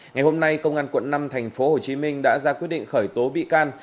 ngày hôm nay công an quận năm thành phố hồ chí minh đã ra quyết định khởi tố bị can